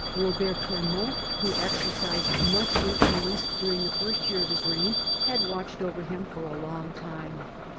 Robert Clement, who exercised much influence during the first year of his reign, had watched over him for a long time.